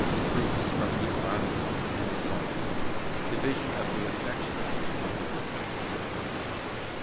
Proofs from Deuteronomy and the Psalms. Division of the affections of the Will.